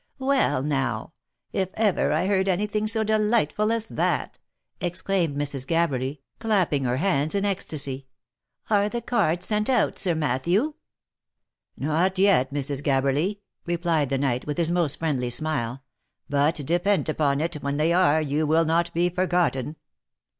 " Well (now ! If ever I heard any thing so delightful as that!" exclaimed Mrs. Gabberly, clapping her hands in ecstasy. " Are the cards sent out, Sir Matthew V " Not yet, Mrs. Gabberly," replied the knight, with his most friendly smile ;" but depend upon it that when they are, you will not be forgotten."